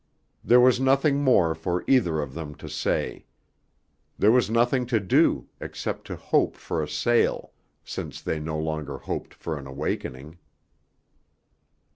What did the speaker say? There was nothing more for either of them to say. There was nothing to do, except to hope for a sail, since they no longer hoped for an awakening.